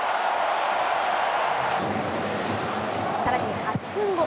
さらに８分後。